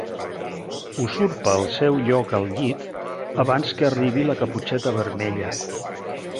Usurpa el seu lloc al llit abans que arribi la Caputxeta Vermella.